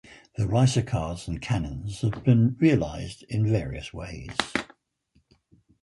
The ricercars and canons have been realised in various ways.